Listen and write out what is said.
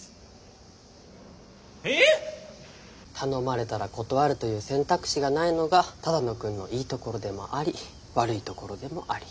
頼まれたら断るという選択肢がないのが只野くんのいいところでもあり悪いところでもあり。